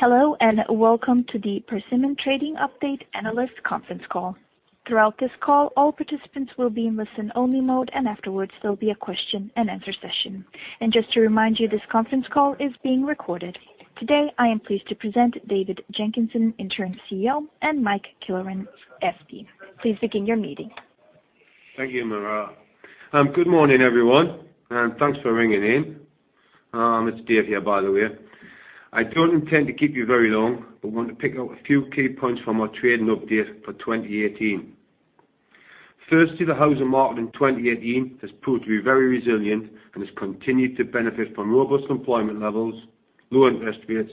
Hello, welcome to the Persimmon Trading Update Analyst Conference Call. Throughout this call, all participants will be in listen-only mode. Afterwards, there will be a question and answer session. Just to remind you, this conference call is being recorded. Today, I am pleased to present David Jenkinson, Interim CEO, and Mike Killoran, FD. Please begin your meeting. Thank you, Marilla. Good morning, everyone. Thanks for ringing in. It is David here, by the way. I do not intend to keep you very long, but I want to pick out a few key points from our trading update for 2018. Firstly, the housing market in 2018 has proved to be very resilient and has continued to benefit from robust employment levels, low interest rates,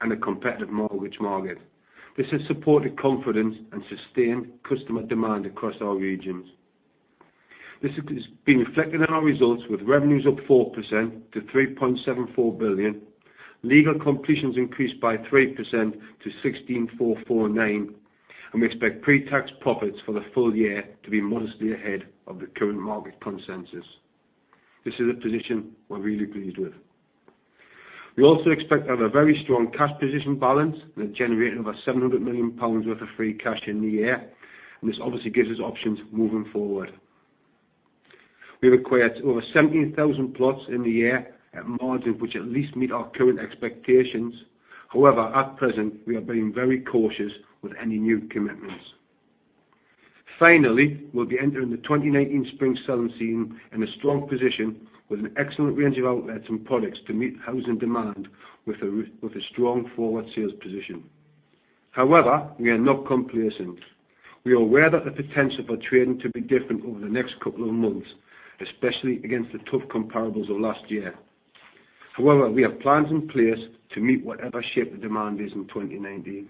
and a competitive mortgage market. This has supported confidence and sustained customer demand across our regions. This has been reflected in our results with revenues up 4% to 3.74 billion. Legal completions increased by 3% to 16,449. We expect pre-tax profits for the full year to be modestly ahead of the current market consensus. This is a position we are really pleased with. We also expect to have a very strong cash position balance. We have generated over 700 million pounds worth of free cash in the year, and this obviously gives us options moving forward. We have acquired over 17,000 plots in the year at margins which at least meet our current expectations. At present, we are being very cautious with any new commitments. Finally, we will be entering the 2019 spring selling season in a strong position with an excellent range of outlets and products to meet housing demand with a strong forward sales position. We are not complacent. We are aware that the potential for trading to be different over the next couple of months, especially against the tough comparables of last year. We have plans in place to meet whatever shape the demand is in 2019.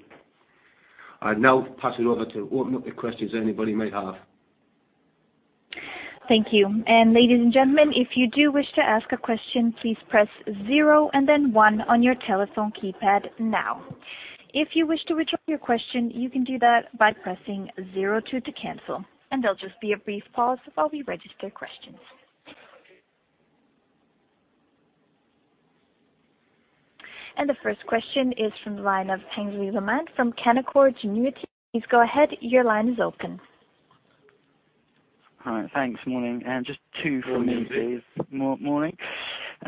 I now pass it over to open up the questions anybody might have. Thank you. Ladies and gentlemen, if you do wish to ask a question, please press zero and then one on your telephone keypad now. If you wish to withdraw your question, you can do that by pressing zero two to cancel. There'll just be a brief pause while we register questions. The first question is from the line of Aynsley Lammin from Canaccord Genuity. Please go ahead. Your line is open. All right. Thanks. Morning. Just two from me, please. Good morning.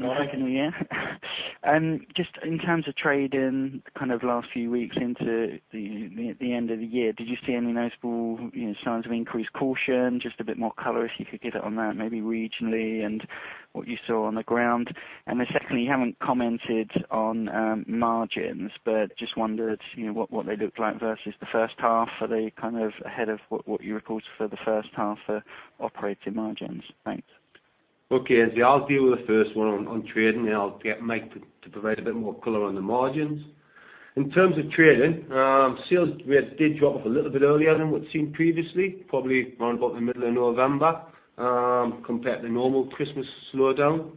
Morning. How are we doing here? Just in terms of trade in kind of last few weeks into the end of the year, did you see any noticeable signs of increased caution? Just a bit more color, if you could give it on that, maybe regionally and what you saw on the ground. Then secondly, you haven't commented on margins, but just wondered what they looked like versus the H1. Are they kind of ahead of what you reported for the H1 for operating margins? Thanks. Okay. I'll deal with the first one on trading, then I'll get Mike to provide a bit more color on the margins. In terms of trading, sales rate did drop off a little bit earlier than we'd seen previously, probably around about the middle of November, compared to the normal Christmas slowdown.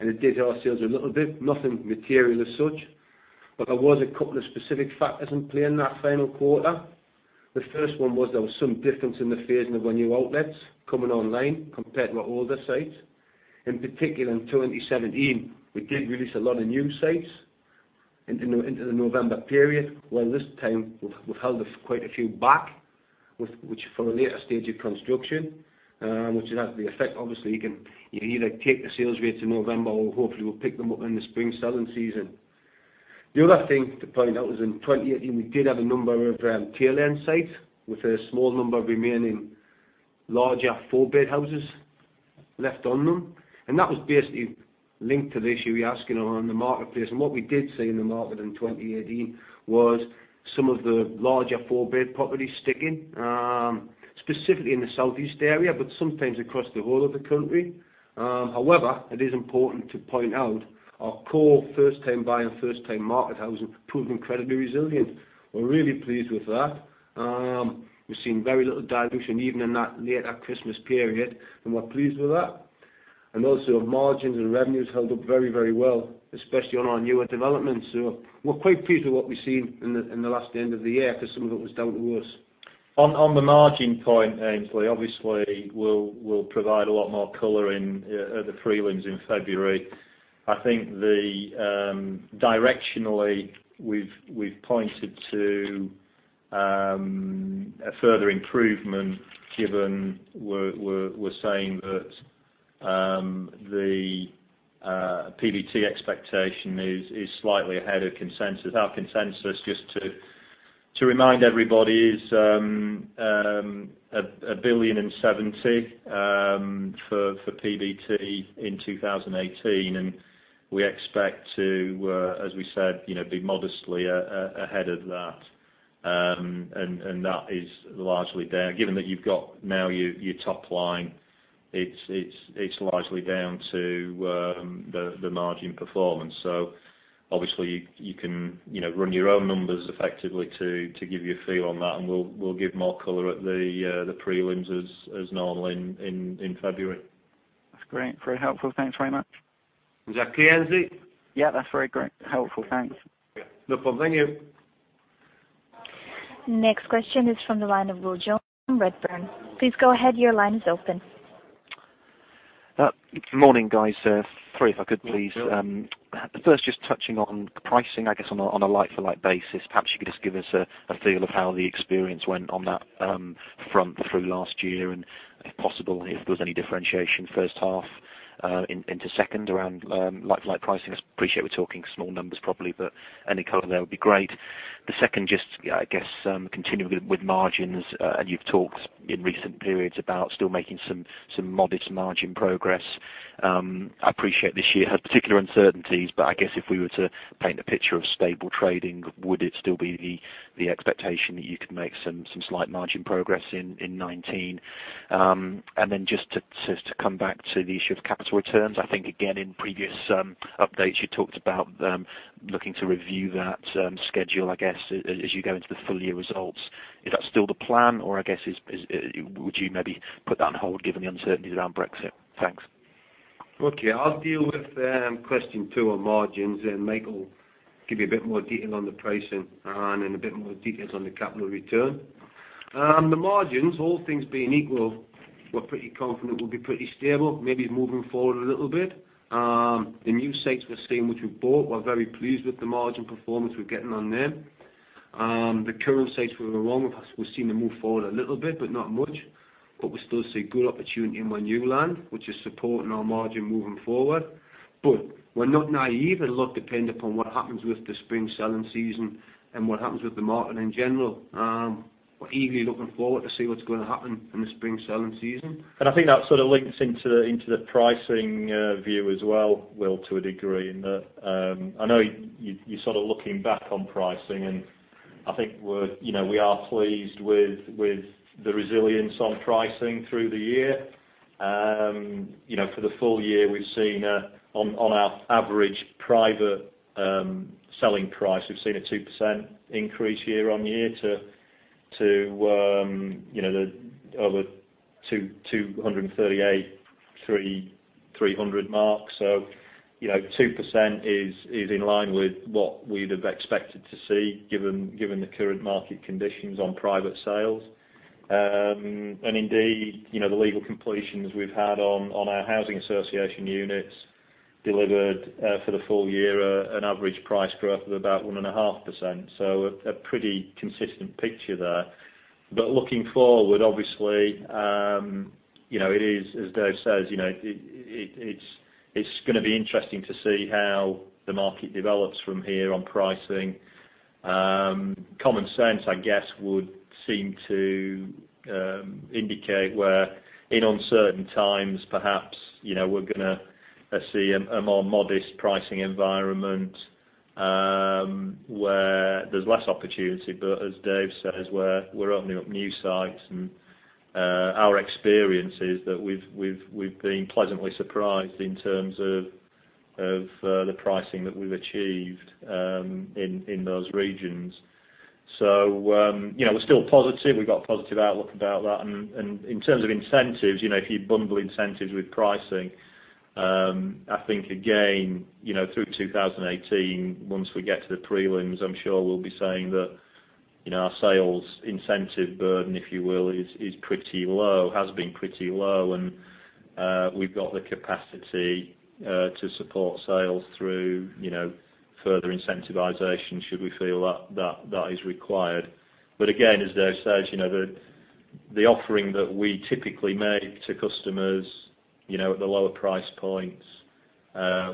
It did hurt sales a little bit, nothing material as such. There was a couple of specific factors in play in that final quarter. The first one was there was some difference in the phasing of our new outlets coming online compared to our older sites. In particular, in 2017, we did release a lot of new sites into the November period, while this time we've held quite a few back which are for a later stage of construction, which has the effect, obviously, you can either take the sales rate to November or hopefully we'll pick them up in the spring selling season. The other thing to point out was in 2018, we did have a number of tail-end sites with a small number of remaining larger four-bed houses left on them. That was basically linked to the issue you're asking on the marketplace. What we did see in the market in 2018 was some of the larger four-bed properties sticking, specifically in the southeast area, but sometimes across the whole of the country. However, it is important to point out our core first-time buyer and first-time market housing proved incredibly resilient. We're really pleased with that. We've seen very little dilution even in that later Christmas period, and we're pleased with that. Also, our margins and revenues held up very well, especially on our newer developments. We're quite pleased with what we've seen in the last end of the year because some of it was down to us. On the margin point, Aynsley, obviously we'll provide a lot more color in the prelims in February. I think directionally, we've pointed to a further improvement given we're saying that the PBT expectation is slightly ahead of consensus. Our consensus, just to remind everybody, is 1 billion and 70 for PBT in 2018, and we expect to, as we said, be modestly ahead of that. That is largely there. Given that you've got now your top line, it's largely down to the margin performance. Obviously you can run your own numbers effectively to give you a feel on that, and we'll give more color at the prelims as normal in February. That's great. Very helpful. Thanks very much. Is that clear, Aynsley? Yeah, that's very great. Helpful. Thanks. Okay. No problem. Thank you. Next question is from the line of Will Jones from Redburn. Please go ahead. Your line is open. Good morning, guys. Three if I could, please. Sure. Just touching on pricing, I guess on a like-for-like basis. Perhaps you could just give us a feel of how the experience went on that front through last year. If possible, if there was any differentiation H1 into second around like-for-like pricing. I appreciate we're talking small numbers probably, but any color there would be great. The second just, I guess continuing with margins. You've talked in recent periods about still making some modest margin progress. I appreciate this year has particular uncertainties, I guess if we were to paint a picture of stable trading, would it still be the expectation that you could make some slight margin progress in 2019? Just to come back to the issue of capital returns, I think again, in previous updates, you talked about looking to review that schedule, I guess, as you go into the full year results. Is that still the plan, I guess, would you maybe put that on hold given the uncertainties around Brexit? Thanks. Okay. I'll deal with question two on margins, and Mike will give you a bit more detail on the pricing and a bit more details on the capital return. The margins, all things being equal, we're pretty confident will be pretty stable, maybe moving forward a little bit. The new sites we're seeing, which we've bought, we're very pleased with the margin performance we're getting on them. The current sites we were on, we're seeing them move forward a little bit, but not much. We still see good opportunity in my new land, which is supporting our margin moving forward. We're not naive and a lot depend upon what happens with the spring selling season and what happens with the market in general. We're eagerly looking forward to see what's going to happen in the spring selling season. I think that sort of links into the pricing view as well, Will, to a degree. In that I know you're sort of looking back on pricing, and I think we are pleased with the resilience on pricing through the year. For the full year, we've seen on our average private selling price, we've seen a 2% increase year-on-year to the over GBP 238,300 mark. 2% is in line with what we'd have expected to see given the current market conditions on private sales. Indeed, the legal completions we've had on our housing association units delivered for the full year an average price growth of about 1.5%. A pretty consistent picture there. Looking forward, obviously, it is as Dave says, it's going to be interesting to see how the market develops from here on pricing. Common sense, I guess, would seem to indicate where in uncertain times, perhaps, we're going to see a more modest pricing environment where there's less opportunity. As Dave says, we're opening up new sites and our experience is that we've been pleasantly surprised in terms of the pricing that we've achieved in those regions. We're still positive. We've got a positive outlook about that. In terms of incentives, if you bundle incentives with pricing, I think again, through 2018, once we get to the prelims, I'm sure we'll be saying that our sales incentive burden, if you will, is pretty low, has been pretty low, and we've got the capacity to support sales through further incentivization should we feel that is required. Again, as Dave says, the offering that we typically make to customers at the lower price points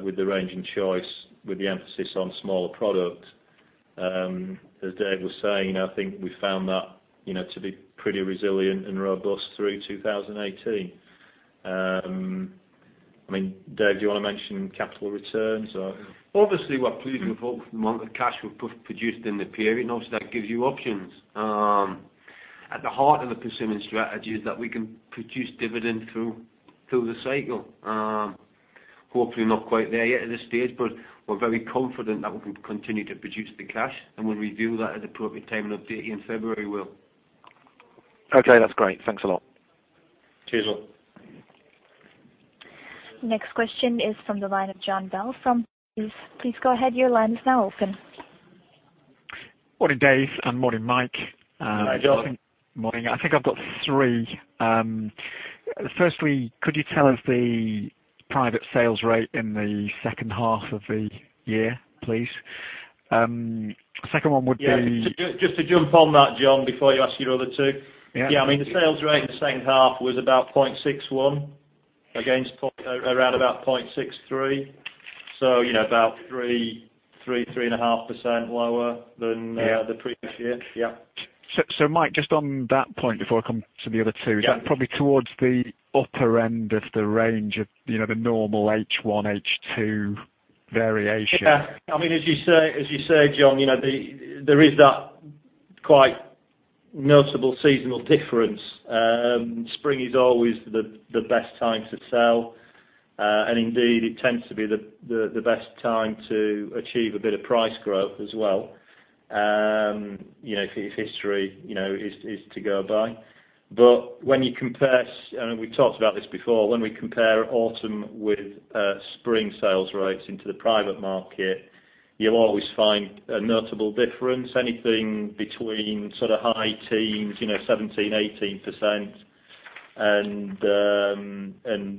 with the range in choice, with the emphasis on smaller product, as Dave was saying, I think we found that to be pretty resilient and robust through 2018. Dave, do you want to mention capital returns or? Obviously, we're pleased with the amount of cash we've produced in the period. Obviously, that gives you options. At the heart of the Persimmon strategy is that we can produce dividend through the cycle. Hopefully not quite there yet at this stage, but we're very confident that we can continue to produce the cash. We'll review that at appropriate time and update you in February, Will. Okay, that's great. Thanks a lot. Cheers, Will. Next question is from the line of Jon Bell from Barclays. Please go ahead. Your line is now open. Morning, Dave, and morning, Mike. Hi, Jon. Morning. Morning. I think I've got three. Firstly, could you tell us the private sales rate in the H2 of the year, please? Yeah. Just to jump on that, Jon, before you ask your other two. Yeah. I mean, the sales rate in the H2 was about 0.61 against around about 0.63. About 3%, 3.5% lower than. Yeah. The previous year. Mike, just on that point before I come to the other two. Yeah. Is that probably towards the upper end of the range of the normal H1, H2 variation? As you say, Jon, there is that quite notable seasonal difference. Spring is always the best time to sell. Indeed, it tends to be the best time to achieve a bit of price growth as well if history is to go by. When you compare, and we've talked about this before, when we compare autumn with spring sales rates into the private market, you'll always find a notable difference. Anything between high teens, 17%-18%, and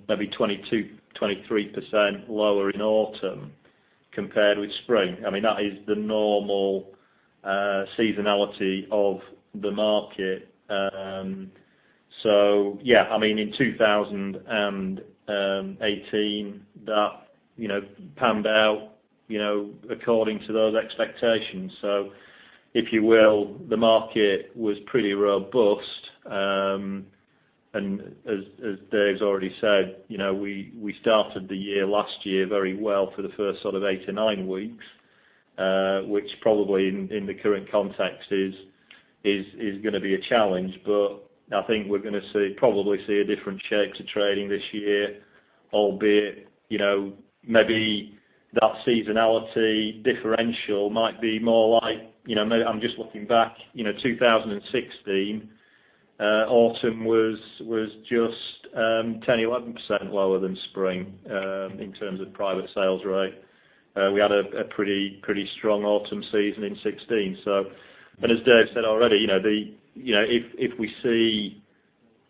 maybe 22%-23% lower in autumn compared with spring. That is the normal seasonality of the market. In 2018, that panned out according to those expectations. If you will, the market was pretty robust. As Dave's already said, we started the year last year very well for the first eight to nine weeks, which probably in the current context is going to be a challenge. I think we're going to probably see a different shape to trading this year, albeit, maybe that seasonality differential might be more like, I'm just looking back, 2016, autumn was just 10%-11% lower than spring in terms of private sales rate. We had a pretty strong autumn season in 2016. As Dave said already, if we see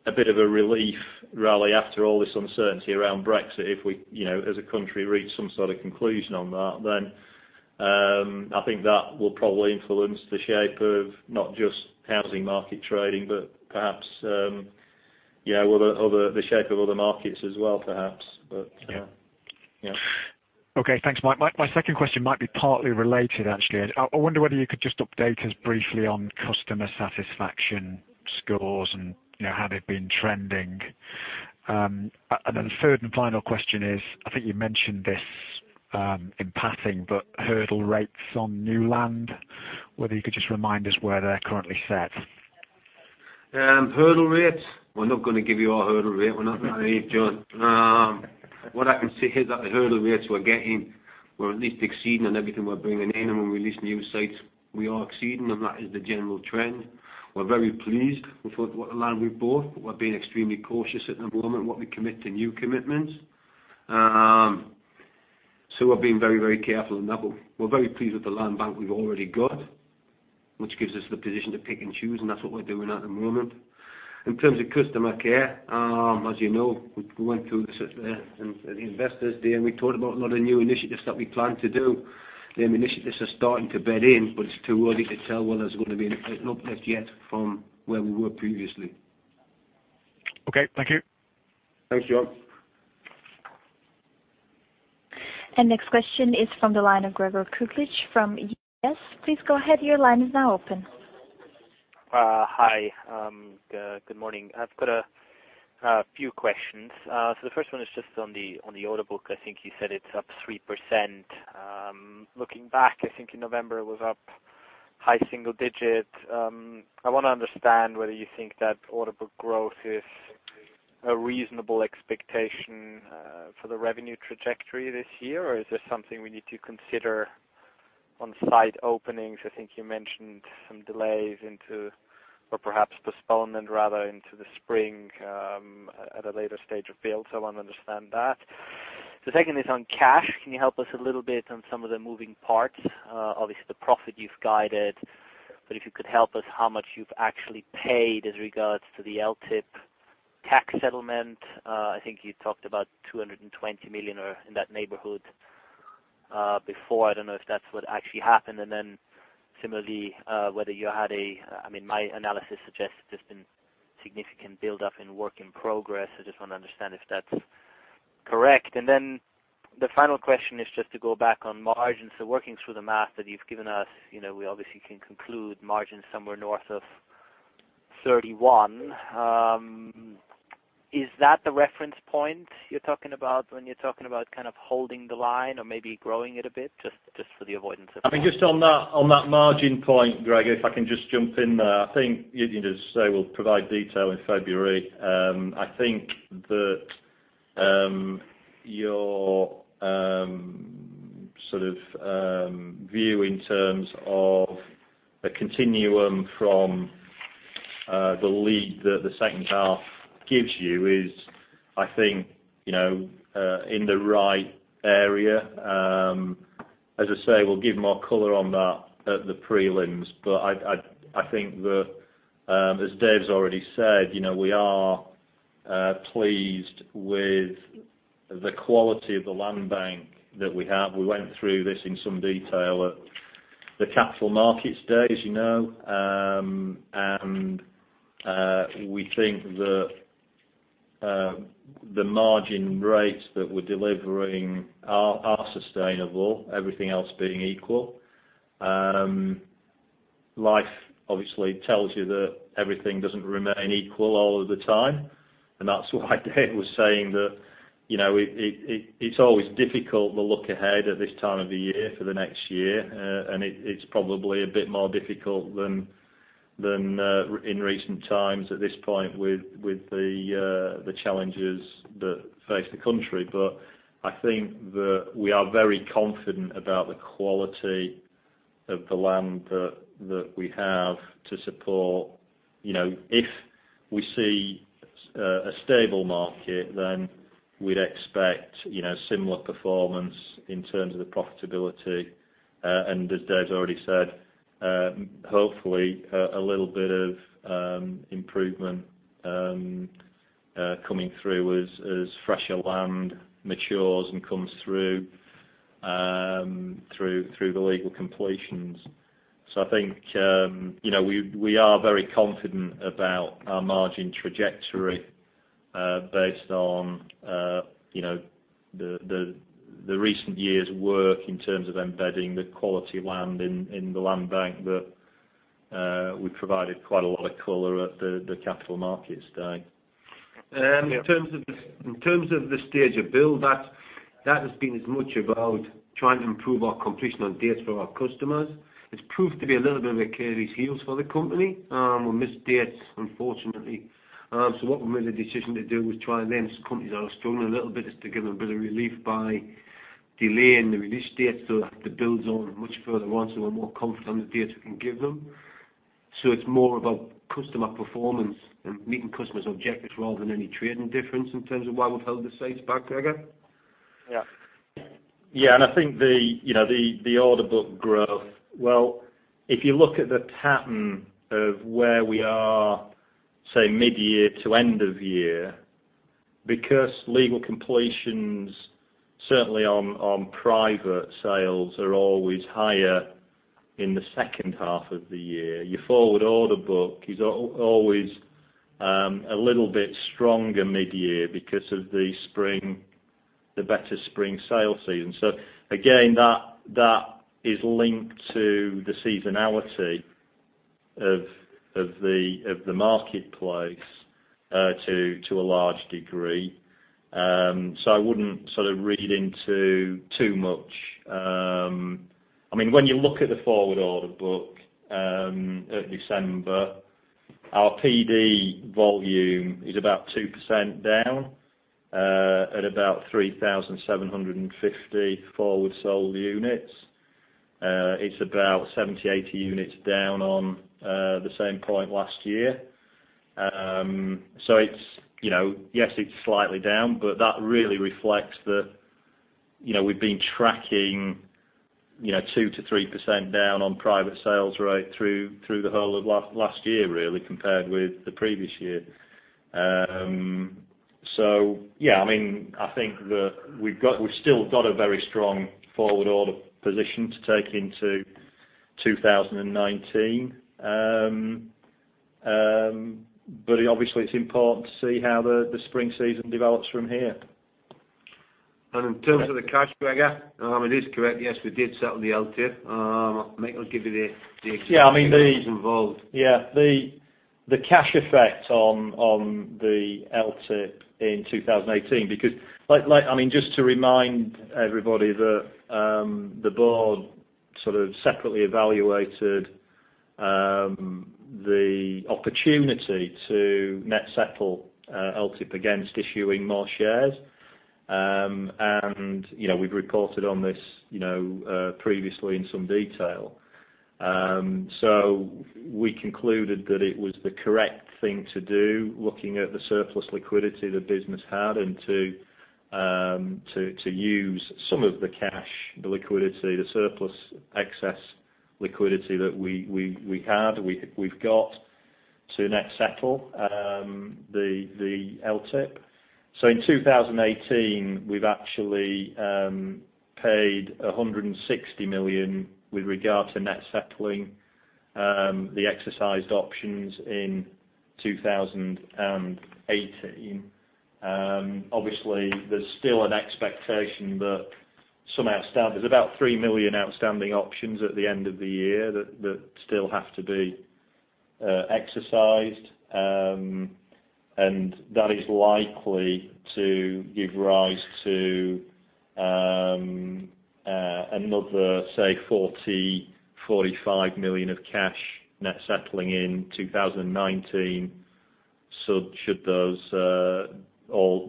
a bit of a relief rally after all this uncertainty around Brexit, if we as a country reach some sort of conclusion on that, I think that will probably influence the shape of not just housing market trading, but perhaps the shape of other markets as well perhaps. Okay, thanks, Mike. My second question might be partly related, actually. I wonder whether you could just update us briefly on customer satisfaction scores and how they've been trending. Then third and final question is, I think you mentioned this in passing, hurdle rates on new land, whether you could just remind us where they're currently set. Hurdle rates. We're not going to give you our hurdle rate. We're not going to do that. What I can say is that the hurdle rates we're getting, we're at least exceeding on everything we're bringing in and when we release new sites, we are exceeding them. That is the general trend. We're very pleased with the land we've bought, we're being extremely cautious at the moment what we commit to new commitments. We're being very careful on that. We're very pleased with the land bank we've already got, which gives us the position to pick and choose, that's what we're doing at the moment. In terms of customer care, as you know, we went through the Capital Markets Day, we talked about a lot of new initiatives that we plan to do. Them initiatives are starting to bed in, but it's too early to tell whether there's going to be an uplift yet from where we were previously. Okay, thank you. Thanks, Jon. Next question is from the line of Gregor Kuglitsch from UBS. Please go ahead, your line is now open. Hi. Good morning. I've got a few questions. The first one is just on the order book, I think you said it's up 3%. Looking back, I think in November it was up high single digit. I want to understand whether you think that order book growth is a reasonable expectation for the revenue trajectory this year, or is this something we need to consider on site openings? I think you mentioned some delays or perhaps postponement, rather, into the spring, at a later stage of build. I want to understand that. The second is on cash. Can you help us a little bit on some of the moving parts? Obviously, the profit you've guided, but if you could help us how much you've actually paid as regards to the LTIP tax settlement. I think you talked about 220 million or in that neighborhood before. I don't know if that's what actually happened. Similarly, whether my analysis suggests there's been significant buildup in work in progress. I just want to understand if that's correct. The final question is just to go back on margins. Working through the math that you've given us, we obviously can conclude margin somewhere north of 31%. Is that the reference point you're talking about when you're talking about kind of holding the line or maybe growing it a bit? Just for the avoidance of doubt. Just on that margin point, Gregor, if I can just jump in there. As I say, we'll provide detail in February. I think that your view in terms of a continuum from the lead that the H2 gives you is, I think, in the right area. As I say, we'll give more color on that at the prelims. I think that, as Dave's already said, we are pleased with the quality of the land bank that we have. We went through this in some detail at the Capital Markets Day. We think that the margin rates that we're delivering are sustainable, everything else being equal. Life obviously tells you that everything doesn't remain equal all of the time. That's why Dave was saying that it's always difficult to look ahead at this time of the year for the next year. It's probably a bit more difficult than in recent times at this point with the challenges that face the country. I think that we are very confident about the quality of the land that we have to support. If we see a stable market, then we'd expect similar performance in terms of the profitability. As Dave's already said, hopefully, a little bit of improvement coming through as fresher land matures and comes through the legal completions. I think we are very confident about our margin trajectory based on the recent year's work in terms of embedding the quality land in the land bank that we provided quite a lot of color at the Capital Markets Day. In terms of the stage of build, that has been as much about trying to improve our completion on dates for our customers. It's proved to be a little bit of Achilles' heel for the company. We missed dates, unfortunately. What we made the decision to do was try and then some companies that are struggling a little bit, just to give them a bit of relief by delaying the release date so the build's on much further on, so we're more confident on the dates we can give them. It's more about customer performance and meeting customers' objectives rather than any trading difference in terms of why we've held the sites back, Gregor. Yeah. I think the order book growth. Well, if you look at the pattern of where we are, say mid-year to end of year, because legal completions, certainly on private sales, are always higher in the H2 of the year. Your forward order book is always a little bit stronger mid-year because of the better spring sale season. Again, that is linked to the seasonality of the marketplace to a large degree. I wouldn't read into too much. When you look at the forward order book at December, our PD volume is about 2% down at about 3,750 forward sold units. It's about 70, 80 units down on the same point last year. Yes, it's slightly down, but that really reflects that we've been tracking 2%-3% down on private sales rate through the whole of last year, really, compared with the previous year. Yeah, I think that we've still got a very strong forward order position to take into 2019. Obviously, it's important to see how the spring season develops from here. In terms of the cash, Gregor, it is correct. Yes, we did settle the LTIP. The cash effect on the LTIP in 2018, because just to remind everybody that the board separately evaluated the opportunity to net settle LTIP against issuing more shares. We've reported on this previously in some detail. We concluded that it was the correct thing to do, looking at the surplus liquidity the business had, and to use some of the cash, the liquidity, the surplus excess liquidity that we had, we've got to net settle the LTIP. In 2018, we've actually paid 160 million with regard to net settling the exercised options in 2018. Obviously, there's still an expectation that there's about three million outstanding options at the end of the year that still have to be exercised, and that is likely to give rise to another, say, 40 million-45 million of cash net settling in 2019, should all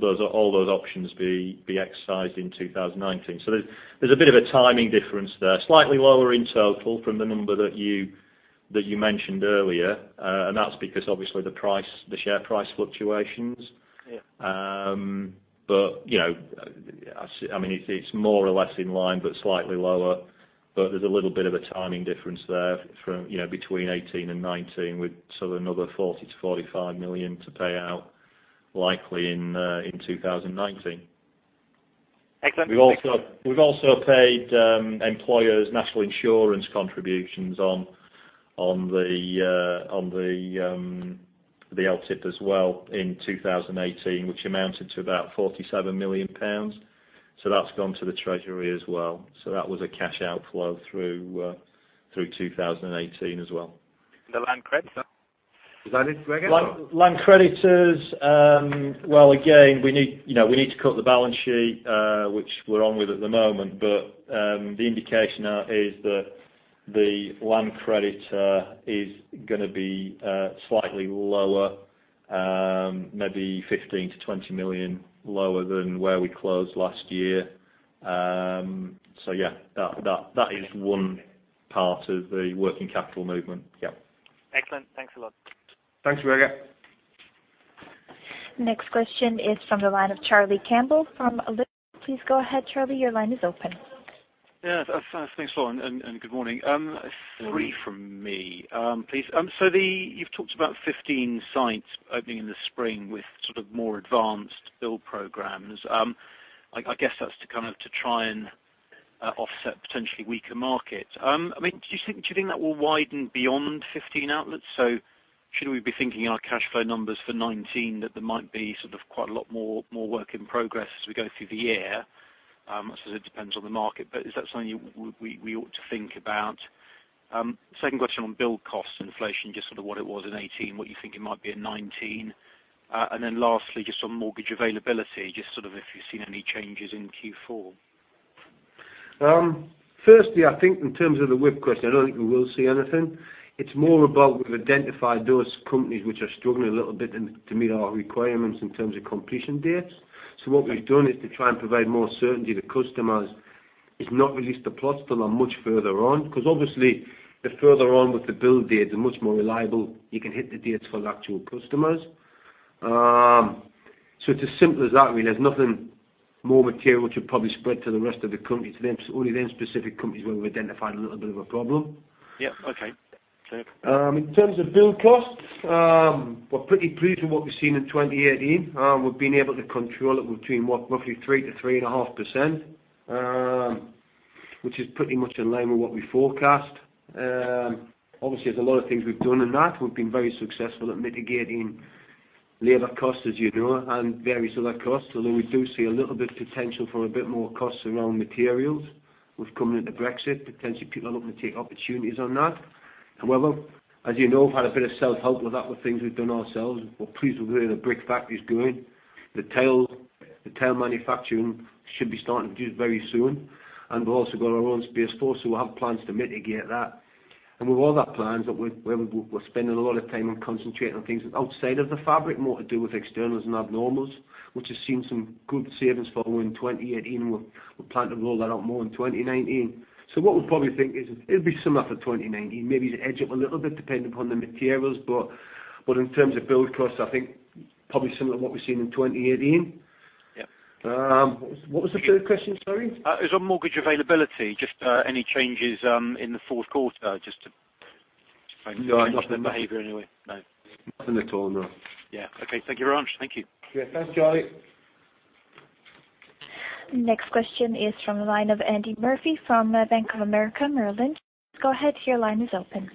those options be exercised in 2019. There's a bit of a timing difference there. Slightly lower in total from the number that you mentioned earlier. That's because obviously the share price fluctuations. Yeah. It's more or less in line, but slightly lower. There's a little bit of a timing difference there between 2018 and 2019, with another 40 million-45 million to pay out likely in 2019. Excellent. We've also paid employers' national insurance contributions on the LTIP as well in 2018, which amounted to about 47 million pounds. That's gone to the treasury as well. That was a cash outflow through 2018 as well. The land creditor. Is that it, Gregor? Land creditors. Well, again, we need to cut the balance sheet, which we're on with at the moment. The indication now is that the land creditor is going to be slightly lower. Maybe 15 million to 20 million lower than where we closed last year. Yeah, that is one part of the working capital movement. Yep. Excellent. Thanks a lot. Thanks, Gregor. Next question is from the line of Charlie Campbell from Liberum. Please go ahead, Charlie, your line is open. Yeah. Thanks, Lauren, and good morning. Three from me, please. You've talked about 15 sites opening in the spring with sort of more advanced build programs. I guess that's to kind of try and offset potentially weaker markets. Do you think that will widen beyond 15 outlets? Should we be thinking in our cash flow numbers for 2019 that there might be sort of quite a lot more work in progress as we go through the year? Obviously, it depends on the market, but is that something we ought to think about? Second question on build cost inflation, just sort of what it was in 2018, what you think it might be in 2019. Lastly, just on mortgage availability, just sort of if you've seen any changes in Q4. Firstly, I think in terms of the WIP question, I don't think we will see anything. It's more about we've identified those companies which are struggling a little bit to meet our requirements in terms of completion dates. What we've done is to try and provide more certainty to customers, is not released the plots till are much further on. Obviously, the further on with the build date, the much more reliable you can hit the dates for the actual customers. It's as simple as that, really. There's nothing more material which would probably spread to the rest of the companies. It's only them specific companies where we've identified a little bit of a problem. Yeah. Okay. In terms of build costs, we're pretty pleased with what we've seen in 2018. We've been able to control it between, what, roughly 3%-3.5%, which is pretty much in line with what we forecast. There's a lot of things we've done in that. We've been very successful at mitigating labor costs, as you know, and various other costs. We do see a little bit of potential for a bit more costs around materials. With coming into Brexit, potentially people are looking to take opportunities on that. As you know, we've had a bit of self-help with that, with things we've done ourselves. We're pleased with where the brick factory's going. The tile manufacturing should be starting very soon. We've also got our own Space4, so we have plans to mitigate that. With all that plans, where we're spending a lot of time on concentrating on things outside of the fabric, more to do with externals and abnormals, which has seen some good savings for in 2018. We plan to roll that out more in 2019. What we probably think is it'll be similar for 2019, maybe edge up a little bit depending upon the materials. In terms of build costs, I think probably similar to what we've seen in 2018. Yeah. What was the third question, sorry? It was on mortgage availability. Just any changes in the Q4 just to. No, nothing Behavior anyway. No. Nothing at all, no. Yeah. Okay. Thank you very much. Thank you. Yeah. Thanks, Charlie. Next question is from the line of Andy Murphy from Bank of America Merrill Lynch. Go ahead, your line is open.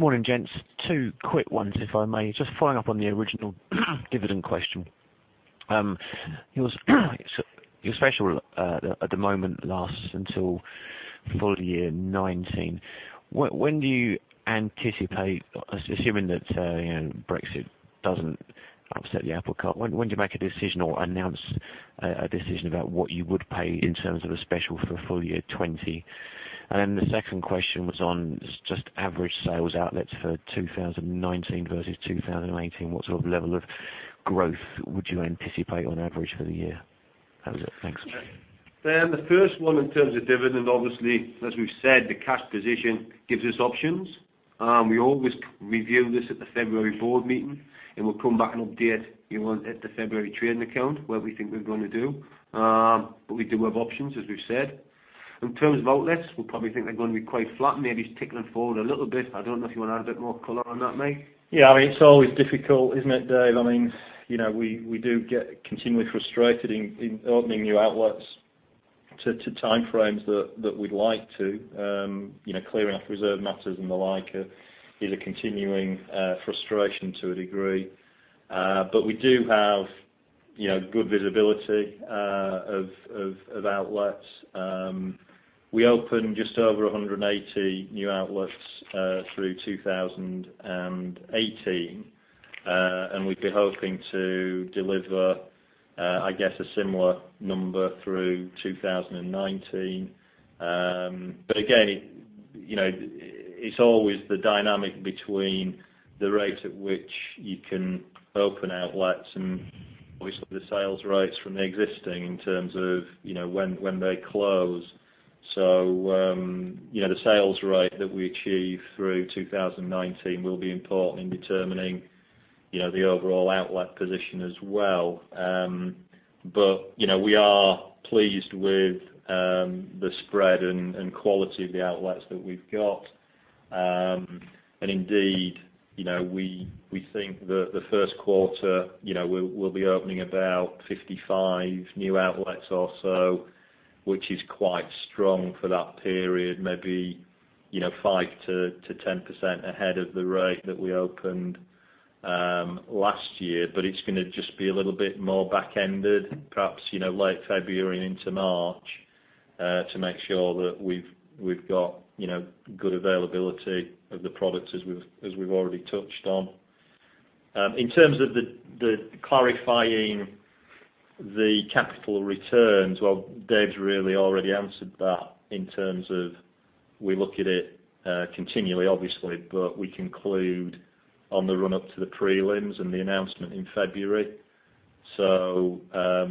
Morning, gents. Two quick ones, if I may. Just following up on the original dividend question. Your special at the moment lasts until full year 2019. When do you anticipate, assuming that Brexit doesn't upset the apple cart, when do you make a decision or announce a decision about what you would pay in terms of a special for full year 2020? The second question was on just average sales outlets for 2019 versus 2018. What sort of level of growth would you anticipate on average for the year? How was it? Thanks. The first one, in terms of dividend, obviously, as we've said, the cash position gives us options. We always review this at the February board meeting, and we'll come back and update you on at the February trading account, where we think we're going to do. We do have options, as we've said. In terms of outlets, we probably think they're going to be quite flat, maybe tick them forward a little bit. I don't know if you want to add a bit more color on that, mate. Yeah. It's always difficult, isn't it, Dave? We do get continually frustrated in opening new outlets to time frames that we'd like to. Clearing up reserve matters and the like is a continuing frustration to a degree. We do have good visibility of outlets. We opened just over 180 new outlets through 2018. We'd be hoping to deliver, I guess, a similar number through 2019. Again, it's always the dynamic between the rate at which you can open outlets and obviously the sales rates from the existing in terms of when they close. The sales rate that we achieve through 2019 will be important in determining the overall outlet position as well. We are pleased with the spread and quality of the outlets that we've got. Indeed, we think that the Q1, we'll be opening about 55 new outlets or so, which is quite strong for that period, maybe 5%-10% ahead of the rate that we opened last year. It's going to just be a little bit more back-ended, perhaps late February into March, to make sure that we've got good availability of the products as we've already touched on. In terms of clarifying the capital returns, well, Dave's really already answered that in terms of we look at it continually, obviously, but we conclude on the run-up to the prelims and the announcement in February. We're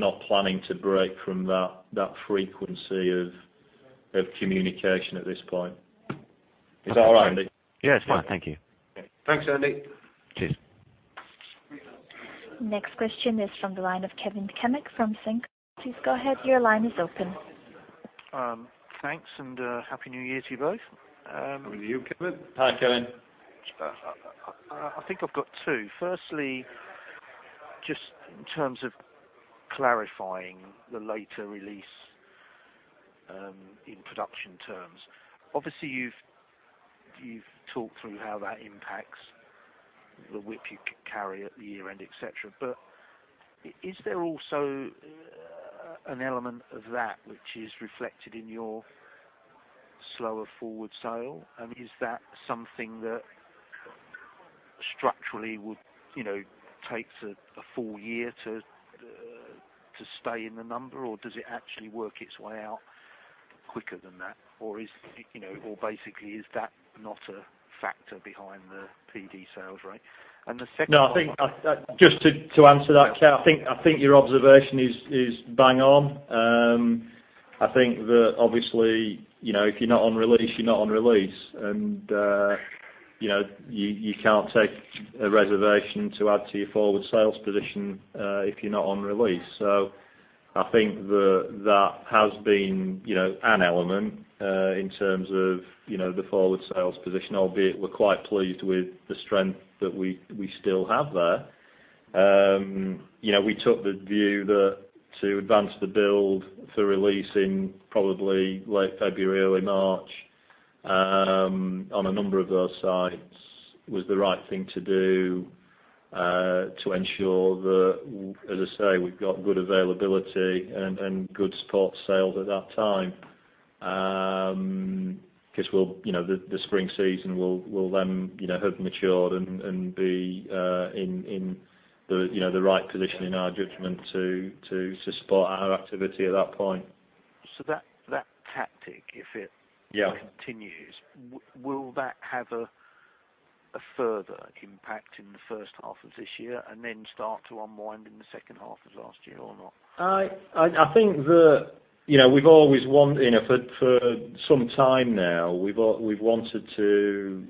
not planning to break from that frequency of communication at this point. Is that all right, Andy? Yeah, it's fine. Thank you. Okay. Thanks, Andy. Cheers. Next question is from the line of Kevin Cammack from Cenkos Securities. Please go ahead. Your line is open. Thanks. Happy New Year to you both. Happy New Year, Kevin. Hi, Kevin. I think I've got two. Firstly, just in terms of clarifying the later release in production terms. Obviously, you've talked through how that impacts the WIP you carry at the year-end, et cetera. Is there also an element of that which is reflected in your slower forward sale? Is that something that structurally would take a full year to stay in the number, or does it actually work its way out quicker than that? Basically, is that not a factor behind the PD sales rate? The second part. No, I think just to answer that, Kev, I think your observation is bang on. Obviously, if you're not on release, you're not on release. You can't take a reservation to add to your forward sales position if you're not on release. I think that has been an element, in terms of the forward sales position, albeit we're quite pleased with the strength that we still have there. We took the view that to advance the build for release in probably late February, early March, on a number of those sites was the right thing to do, to ensure that, as I say, we've got good availability and good support sales at that time. The spring season will then have matured and be in the right position in our judgment to support our activity at that point. That tactic, if it Yeah. Continues, will that have a further impact in the H1 of this year and then start to unwind in the H2 of last year or not? I think that for some time now, we've wanted to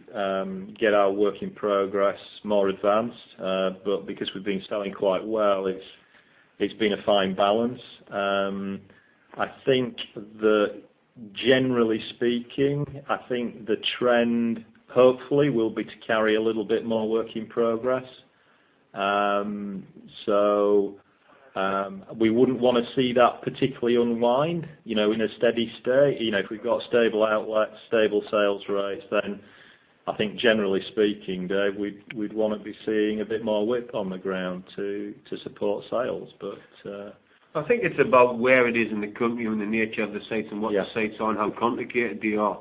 get our work in progress more advanced. Because we've been selling quite well, it's been a fine balance. I think that generally speaking, I think the trend hopefully will be to carry a little bit more work in progress. We wouldn't want to see that particularly unwind, in a steady state. If we've got stable outlets, stable sales rates, I think generally speaking, Dave, we'd want to be seeing a bit more width on the ground to support sales. I think it's about where it is in the company and the nature of the sites. Yeah the sites are and how complicated they are.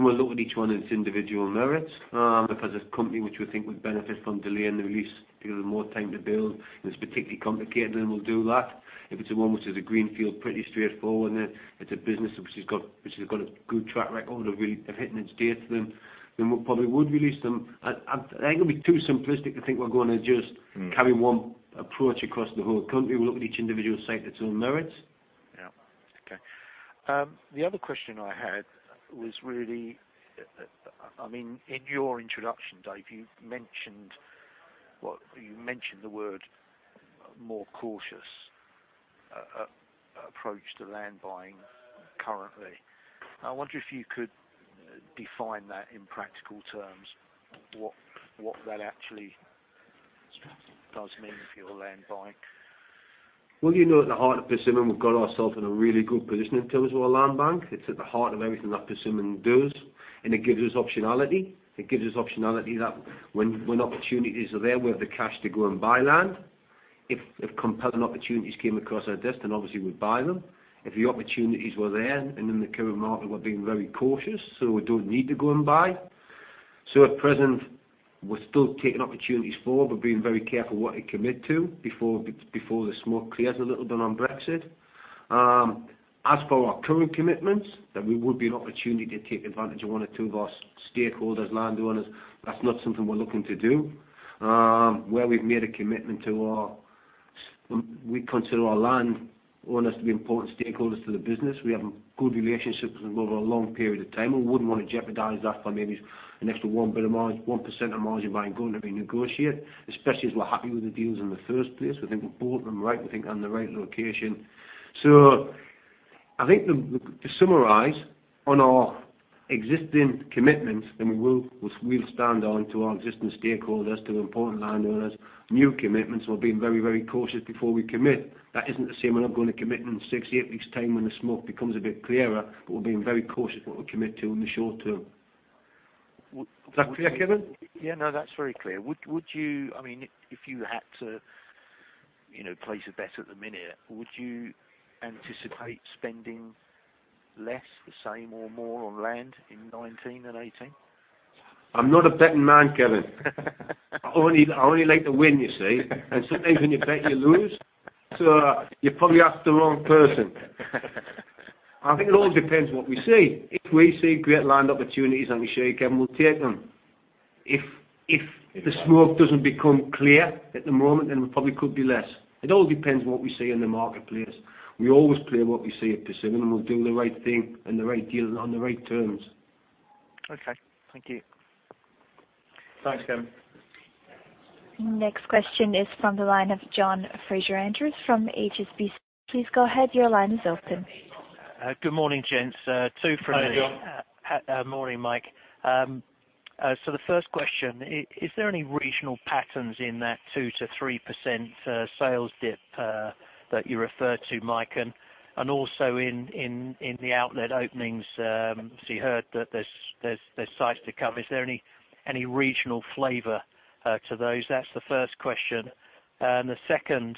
We'll look at each one of its individual merits. If there's a company which we think would benefit from delaying the release to give them more time to build, and it's particularly complicated, we'll do that. If it's a one which is a greenfield, pretty straightforward, and it's a business which has got a good track record of hitting its dates, we probably would release them. I think it would be too simplistic to think we're going to just carry one approach across the whole company. We'll look at each individual site, its own merits. Yeah. Okay. The other question I had was really, in your introduction, Dave, you mentioned the word more cautious approach to land buying currently. I wonder if you could define that in practical terms, what that actually does mean for your land buying. Well, you know at the heart of Persimmon, we've got ourself in a really good position in terms of our land bank. It's at the heart of everything that Persimmon does. It gives us optionality. It gives us optionality that when opportunities are there, we have the cash to go and buy land. If compelling opportunities came across our desk, obviously we'd buy them. If the opportunities were there and in the current market, we're being very cautious, we don't need to go and buy. At present, we're still taking opportunities forward, but being very careful what we commit to before the smoke clears a little bit on Brexit. As for our current commitments, there would be an opportunity to take advantage of one or two of our stakeholders, landowners. That's not something we're looking to do. We consider our landowners to be important stakeholders to the business. We have a good relationship with them over a long period of time, we wouldn't want to jeopardize that by maybe an extra 1% of margin by going to renegotiate, especially as we're happy with the deals in the first place. We think we bought them right, we think on the right location. I think to summarize on our existing commitments, we'll stand on to our existing stakeholders, to the important landowners. New commitments, we're being very cautious before we commit. That isn't to say we're not going to commit in six to eight weeks' time when the smoke becomes a bit clearer, but we're being very cautious what we commit to in the short term. Is that clear, Kevin? Yeah. No, that's very clear. If you had to place a bet at the minute. Would you anticipate spending less, the same, or more on land in 2019 than 2018? I'm not a betting man, Kevin. I only like to win, you see. Sometimes when you bet, you lose. You probably asked the wrong person. I think it all depends what we see. If we see great land opportunities, I can assure you, Kevin, we'll take them. If the smoke doesn't become clear at the moment, it probably could be less. It all depends what we see in the marketplace. We always play what we see at Persimmon, we'll do the right thing and the right deal and on the right terms. Okay. Thank you. Thanks, Kevin. Next question is from the line of John Fraser-Andrews from HSBC. Please go ahead. Your line is open. Good morning, gents. Two from me. Hi, John. Morning, Mike. The first question, is there any regional patterns in that 2%-3% sales dip that you referred to, Mike? Also in the outlet openings, as we heard, that there's sites to come. Is there any regional flavor to those? That's the first question. The second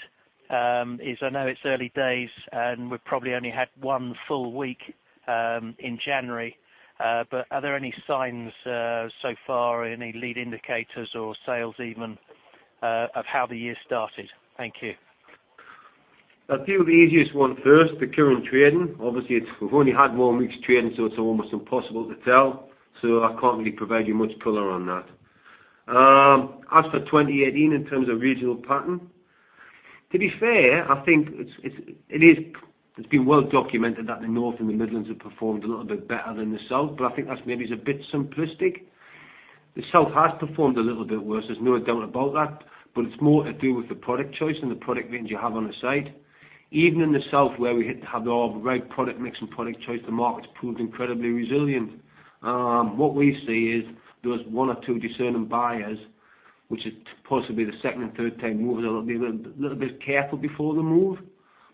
is, I know it's early days, and we've probably only had one full week in January, but are there any signs so far, any lead indicators or sales even, of how the year started? Thank you. I'll deal with the easiest one first, the current trading. Obviously, we've only had one week's trading, it's almost impossible to tell. I can't really provide you much color on that. As for 2018, in terms of regional pattern, to be fair, I think it's been well documented that the North and the Midlands have performed a little bit better than the South, I think that's maybe is a bit simplistic. The South has performed a little bit worse. There's no doubt about that, it's more to do with the product choice and the product range you have on the site. Even in the South, where we had to have the right product mix and product choice, the market's proved incredibly resilient. What we see is those one or two discerning buyers, which is possibly the second and third time movers, that will be a little bit careful before they move.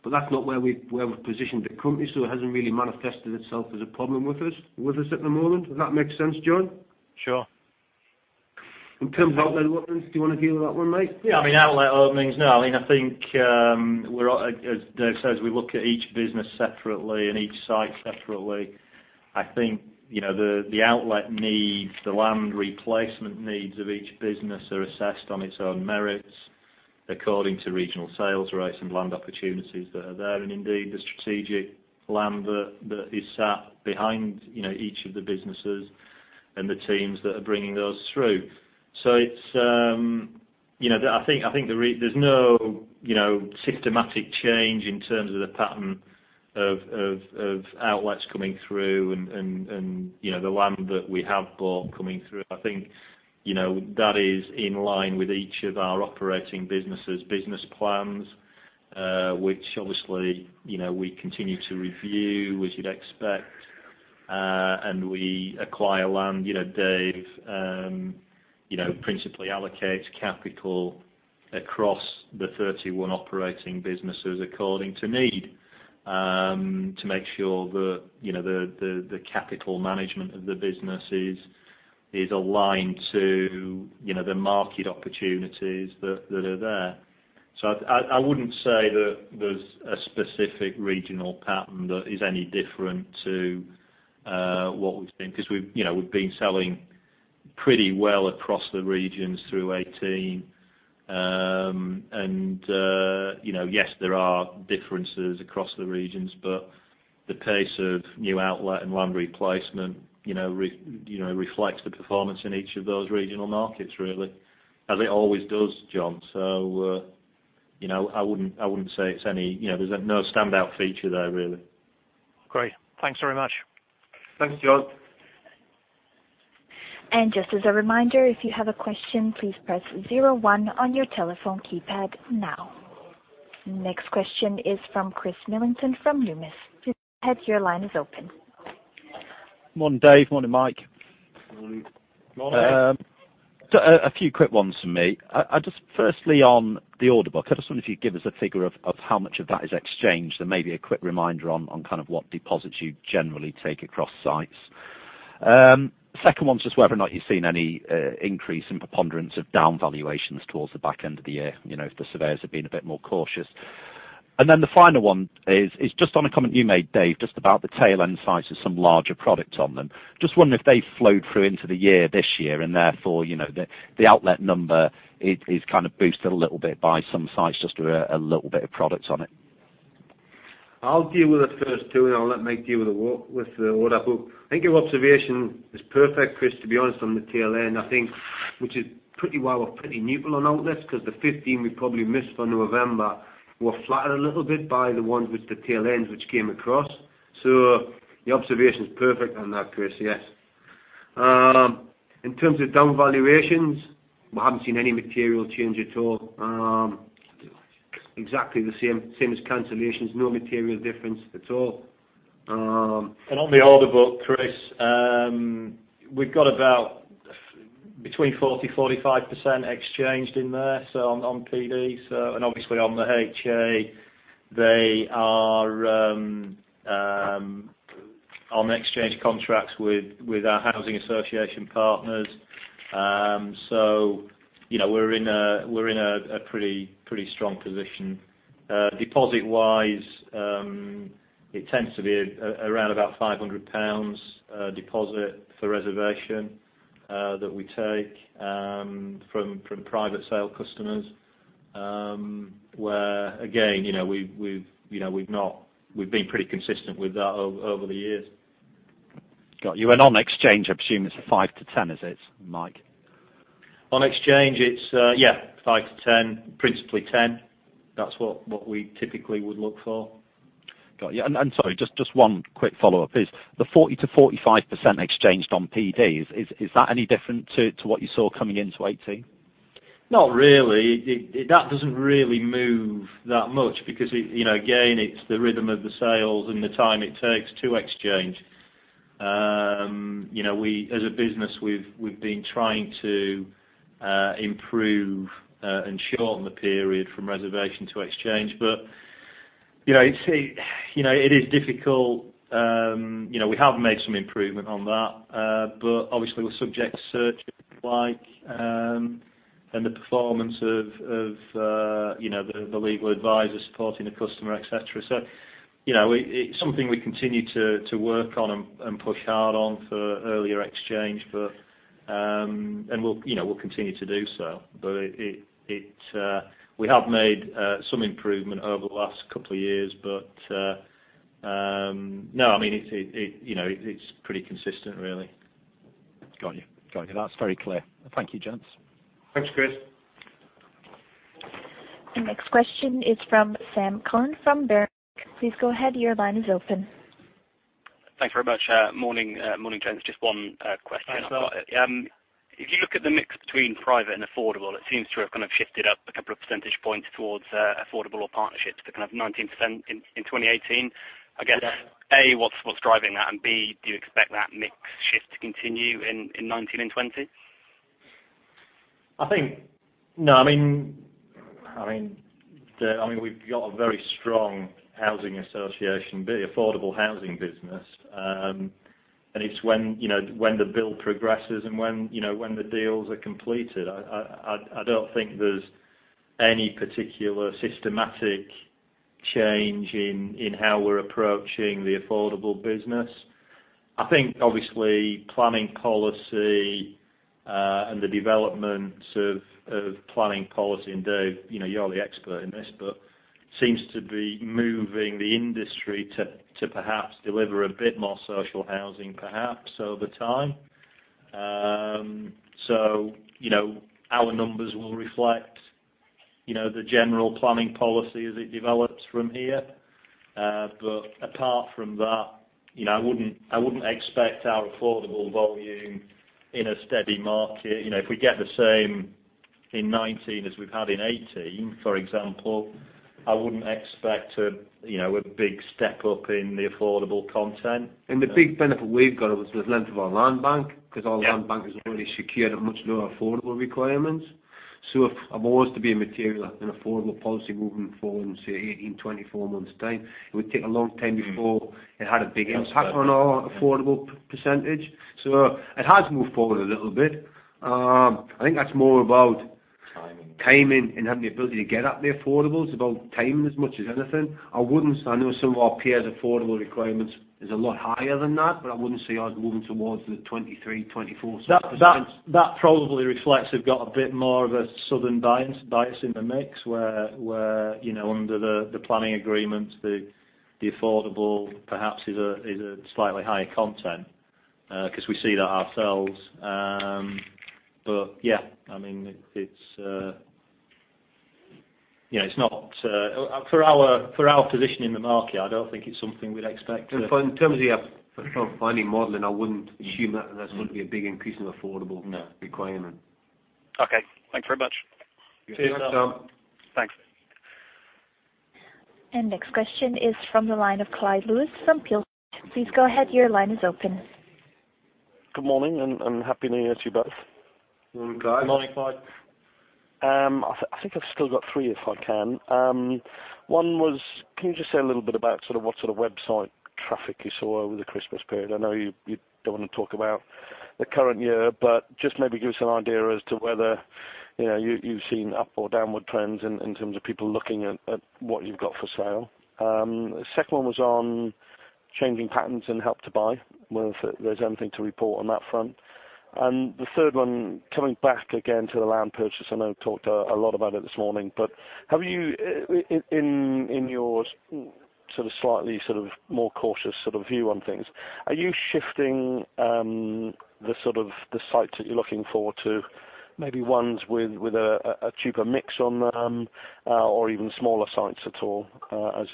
That's not where we've positioned the company, it hasn't really manifested itself as a problem with us at the moment. Does that make sense, John? Sure. In terms of outlet openings, do you want to deal with that one, Mike? Yeah, outlet openings. I think as Dave says, we look at each business separately and each site separately. I think the outlet needs, the land replacement needs of each business are assessed on its own merits according to regional sales rates and land opportunities that are there and indeed the strategic land that is sat behind each of the businesses and the teams that are bringing those through. I think there's no systematic change in terms of the pattern of outlets coming through and the land that we have bought coming through. I think that is in line with each of our operating businesses' business plans, which obviously we continue to review, as you'd expect, and we acquire land. Dave principally allocates capital across the 31 operating businesses according to need, to make sure the capital management of the business is aligned to the market opportunities that are there. I wouldn't say that there's a specific regional pattern that is any different to what we've been. We've been selling pretty well across the regions through 2018. Yes, there are differences across the regions, but the pace of new outlet and land replacement reflects the performance in each of those regional markets, really, as it always does, Jonathan Bell. I wouldn't say there's no standout feature there, really. Great. Thanks very much. Thanks, John. Just as a reminder, if you have a question, please press zero one on your telephone keypad now. Next question is from Chris Millington from Numis. Please go ahead, your line is open. Morning, Dave. Morning, Mike. Morning. Morning. A few quick ones from me. Just firstly, on the order book, I just wonder if you'd give us a figure of how much of that is exchanged and maybe a quick reminder on what deposits you generally take across sites. Second one is just whether or not you've seen any increase in preponderance of down valuations towards the back end of the year, if the surveyors have been a bit more cautious. Then the final one is just on a comment you made, Dave, just about the tail end size of some larger product on them. Just wondering if they flowed through into the year this year and therefore, the outlet number is kind of boosted a little bit by some size, just with a little bit of product on it. I'll deal with the first two, and I'll let Mike deal with the order book. I think your observation is perfect, Chris, to be honest, on the tail end, I think, which is pretty why we're pretty neutral on outlets, because the 15 we probably missed from November were flattered a little bit by the ones with the tail ends which came across. The observation is perfect on that, Chris. Yes. In terms of down valuations, we haven't seen any material change at all. Exactly the same as cancellations, no material difference at all. On the order book, Chris, we've got about between 40%-45% exchanged in there, on PD. On the HA, they are on exchange contracts with our housing association partners. We're in a pretty strong position. Deposit wise, it tends to be around about 500 pounds deposit for reservation that we take from private sale customers. Where, again, we've been pretty consistent with that over the years. Got you. On exchange, I presume it's five to 10, is it, Mike? On exchange, it's, yeah, five to 10. Principally 10. That's what we typically would look for. Got you. Sorry, just one quick follow-up is, the 40%-45% exchanged on PDs, is that any different to what you saw coming into 2018? Not really. That doesn't really move that much because, again, it's the rhythm of the sales and the time it takes to exchange. As a business, we've been trying to improve and shorten the period from reservation to exchange. It is difficult. We have made some improvement on that. Obviously with subject search and the performance of the legal advisors supporting the customer, et cetera. It's something we continue to work on and push hard on for earlier exchange. We'll continue to do so. We have made some improvement over the last couple of years. No, it's pretty consistent, really. Got you. That's very clear. Thank you, gents. Thanks, Chris. The next question is from Sam Cullen from Berenberg. Please go ahead, your line is open. Thanks very much. Morning to you. Just one question. Hi, Sam. If you look at the mix between private and affordable, it seems to have kind of shifted up a couple of percentage points towards affordable or partnerships to 19% in 2018. Yeah. I guess, A, what's driving that? B, do you expect that mix shift to continue in 2019 and 2020? No. We've got a very strong housing association, be it affordable housing business. It's when the build progresses and when the deals are completed. I don't think there's any particular systematic change in how we're approaching the affordable business. I think obviously planning policy and the developments of planning policy, and Dave, you are the expert in this, seems to be moving the industry to perhaps deliver a bit more social housing perhaps over time. Our numbers will reflect the general planning policy as it develops from here. Apart from that, I wouldn't expect our affordable volume in a steady market. If we get the same in 2019 as we've had in 2018, for example, I wouldn't expect a big step up in the affordable content. The big benefit we've got was the length of our land bank. Our land bank is already secured at much lower affordable requirements. If I was to be material in affordable policy moving forward in, say, 18, 24 months' time, it would take a long time before it had a big impact on our affordable percentage. It has moved forward a little bit. I think that's more about. Timing. Timing and having the ability to get at the affordable. It's about timing as much as anything. I know some of our peers' affordable requirements is a lot higher than that, but I wouldn't say I was moving towards the 23%, 24%. That probably reflects we've got a bit more of a southern bias in the mix, where under the planning agreements, the affordable perhaps is a slightly higher content. Because we see that ourselves. Yeah, for our position in the market, I don't think it's something we'd expect to. In terms of your funding modeling, I wouldn't assume that there's going to be a big increase in affordable. No. Requirement. Okay. Thanks very much. See you, Sam. Thanks, Sam. Thanks. Next question is from the line of Clyde Lewis from Peel Hunt. Please go ahead, your line is open. Good morning, and happy new year to you both. Morning, Clyde. Morning, Clyde. I think I've still got three, if I can. One was, can you just say a little bit about what sort of website traffic you saw over the Christmas period? I know you don't want to talk about the current year, but just maybe give us an idea as to whether you've seen up or downward trends in terms of people looking at what you've got for sale. Second one was on changing patterns in Help to Buy, whether there's anything to report on that front. The third one, coming back again to the land purchase. I know we've talked a lot about it this morning. In your slightly more cautious view on things, are you shifting the sites that you're looking for to maybe ones with a cheaper mix on them or even smaller sites at all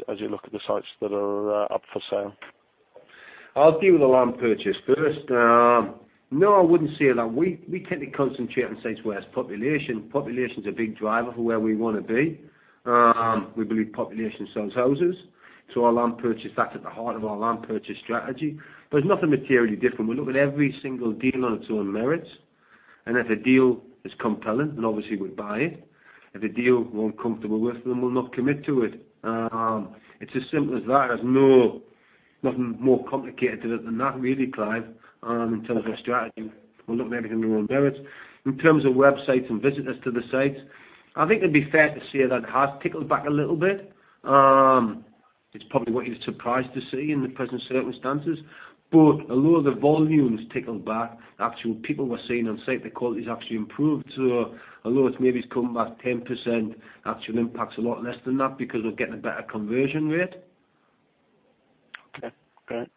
as you look at the sites that are up for sale? I'll deal with the land purchase first. No, I wouldn't say a lot. We tend to concentrate on sites where there's population. Population's a big driver for where we want to be. We believe population sells houses. Our land purchase, that's at the heart of our land purchase strategy. It's nothing materially different. We look at every single deal on its own merits. If a deal is compelling, then obviously we'd buy it. If a deal we're uncomfortable with, then we'll not commit to it. It's as simple as that. There's nothing more complicated to it than that really, Clyde, in terms of our strategy. We'll look at everything on our merits. In terms of websites and visitors to the sites, I think it'd be fair to say that has tickled back a little bit. It's probably what you'd be surprised to see in the present circumstances. Although the volume has ticked back, actual people we're seeing on site, the quality has actually improved. Although it maybe has come back 10%, actual impact is a lot less than that because we're getting a better conversion rate. Okay, great.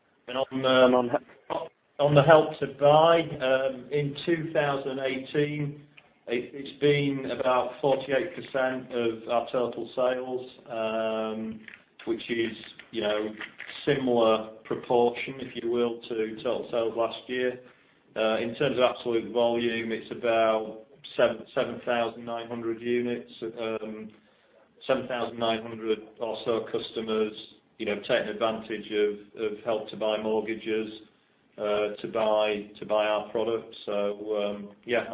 On the Help to Buy, in 2018, it's been about 48% of our total sales, which is similar proportion, if you will, to total sales last year. In terms of absolute volume, it's about 7,900 units, 7,900 or so customers taking advantage of Help to Buy mortgages to buy our products. Yeah,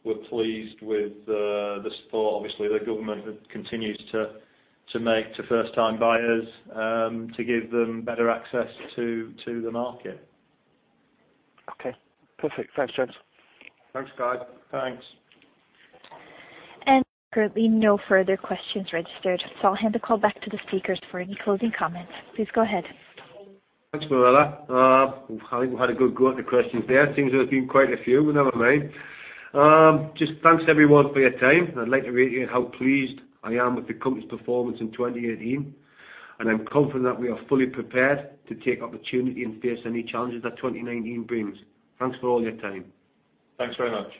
we're pleased with the support obviously the government continues to make to first-time buyers, to give them better access to the market. Okay. Perfect. Thanks, gents. Thanks, Clyde. Thanks. Currently no further questions registered. I'll hand the call back to the speakers for any closing comments. Please go ahead. Thanks, Marilla. I think we had a good go at the questions there. Seems there have been quite a few, but never mind. Just thanks everyone for your time. I'd like to reiterate how pleased I am with the company's performance in 2018, and I'm confident that we are fully prepared to take opportunity and face any challenges that 2019 brings. Thanks for all your time. Thanks very much.